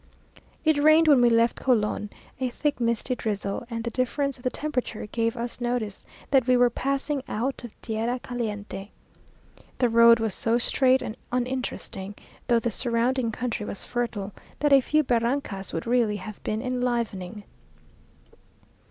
It rained, when we left Colon, a thick misty drizzle, and the difference of the temperature gave us notice that we were passing out of tierra caliente. The road was so straight and uninteresting, though the surrounding country was fertile, that a few barrancas would really have been enlivening.